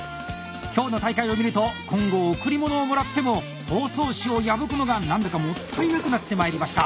今日の大会を見ると今後贈り物をもらっても包装紙を破くのが何だかもったいなくなってまいりました。